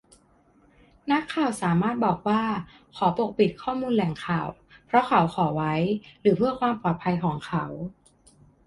นักข่าวสามารถบอกว่า ขอปกปิดข้อมูลแหล่งข่าว เพราะเขาขอไว้หรือเพื่อความปลอดภัยของเขา